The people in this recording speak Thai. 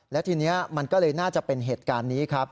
และทีนี้มันก็เลยน่าจะเป็นเหตุการณ์นี้ครับ